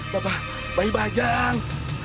bapak bayi bajang